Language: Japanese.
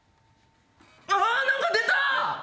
あっ何か出た！